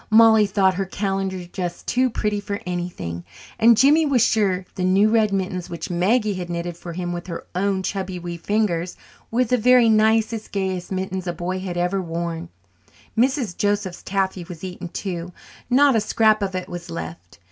Mollie thought her calendar just too pretty for anything, and Jimmy was sure the new red mittens which Maggie had knitted for him with her own chubby wee fingers, were the very nicest, gayest mittens a boy had ever worn. Mrs. Joseph's taffy was eaten too. Not a scrap of it was left.